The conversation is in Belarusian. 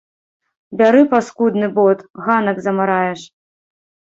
Бяры паскудны бот, ганак замараеш!